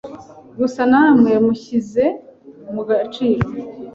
Gusa namwe mushyize mu gaciro